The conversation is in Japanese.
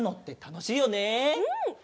うん！